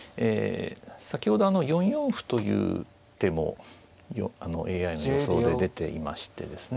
先ほどあの４四歩という手もＡＩの予想で出ていましてですね